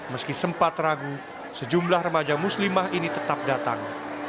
meski sempat ragu sejumlah remaja muslimah ini tetap datang